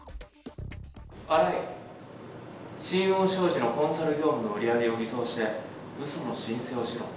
新井、新桜商事のコンサル業務の売り上げを偽装して、うその申請をしろ。